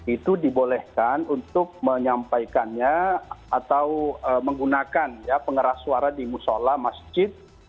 itu dibolehkan untuk menyampaikannya atau menggunakan ya pengeras suara di musola masjid